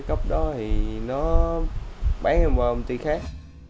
cấp đó thì nó bán em vào công ty khác